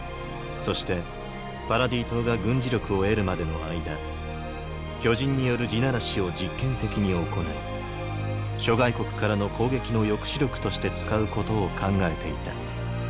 そしてパラディ島が軍事力を得るまでの間巨人による「地鳴らし」を実験的に行い諸外国からの攻撃の抑止力として使うことを考えていた。